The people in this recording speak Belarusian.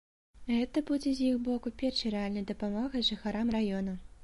Гэта будзе з іх боку першай рэальнай дапамогай жыхарам раёна.